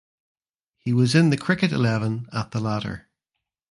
He was in the cricket eleven at the latter.